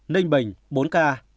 ninh bình bốn ca